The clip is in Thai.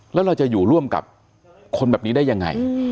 แล้วเราจะอยู่ร่วมกับคนแบบนี้ได้ยังไง